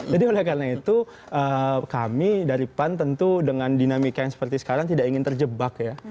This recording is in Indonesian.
jadi oleh karena itu kami dari pan tentu dengan dinamika yang seperti sekarang tidak ingin terjebak ya